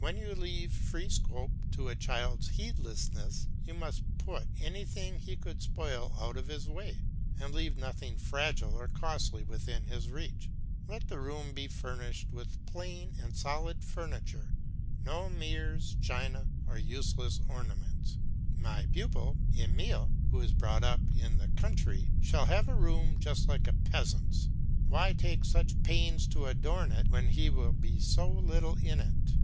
When you leave free scope to a child's heedlessness, you must put anything he could spoil out of his way, and leave nothing fragile or costly within his reach. Let the room be furnished with plain and solid furniture; no mirrors, china, or useless ornaments. My pupil Emile, who is brought up in the country, shall have a room just like a peasant's. Why take such pains to adorn it when he will be so little in it?